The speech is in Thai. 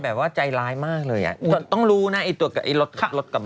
แบบว่าใจร้ายมากเลยอะต้องรู้นะเอ๊ะรถกระบะ